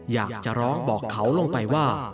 อยากจะร้องบอกเขาลงไปว่า